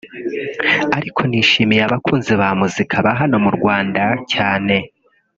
ariko nishimiye abakunzi ba muzika ba hano mu Rwanda cyane”